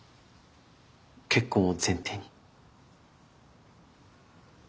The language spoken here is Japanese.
結婚を前提に。